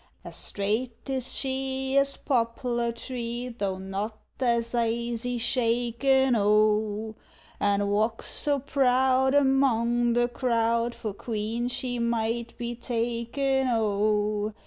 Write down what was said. As straight is she as poplar tree (Tho' not as aisy shaken, O,) And walks so proud among the crowd, For queen she might be taken, O.